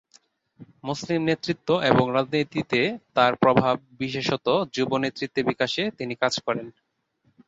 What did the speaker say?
মুসলিম নেতৃত্ব এবং রাজনীতিতে তার প্রভাব, বিশেষত যুব নেতৃত্বের বিকাশে তিনি কাজ করেন।